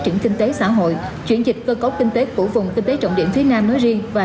triển kinh tế xã hội chuyển dịch cơ cấu kinh tế của vùng kinh tế trọng điểm phía nam nói riêng và